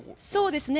そうですね。